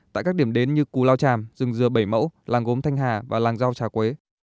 tại các điểm đến như cú lao tràm dừng dừa bảy mẫu làng gốm thanh hà và làng giao trà quế